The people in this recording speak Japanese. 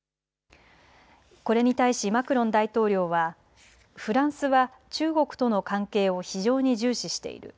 これに対しマクロン大統領はフランスは中国との関係を非常に重視している。